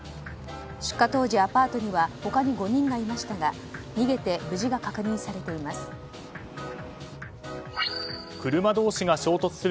出火当時アパートには他に５人がいましたが逃げて、無事が確認されています。